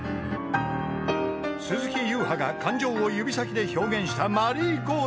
［鈴木ゆうはが感情を指先で表現した『マリーゴールド』］